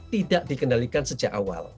tidak dikendalikan sejak awal